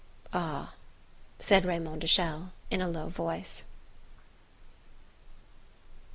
"Ah " said Raymond de Chelles in a low voice.